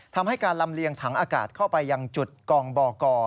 ทำให้การลำเลียงถังอากาศเข้าไปยังจุดกองบก